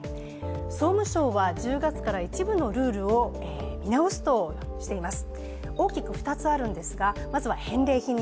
総務省は１０月から一部のルールを見直すとしています。